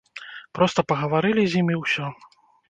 Проста пагаварылі з ім і ўсё.